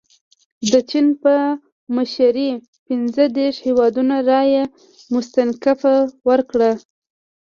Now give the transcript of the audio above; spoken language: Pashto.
د چین په مشرۍ پنځه دېرش هیوادونو رایه مستنکفه ورکړه.